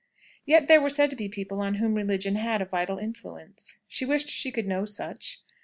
Yet there were said to be people on whom religion had a vital influence. She wished she could know such.